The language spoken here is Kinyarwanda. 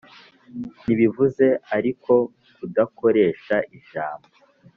ntibivuze ariko kudakoresha ijambo